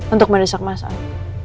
untuk meresap masalah